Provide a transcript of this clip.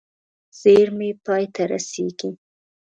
زېرمې پای ته رسېږي.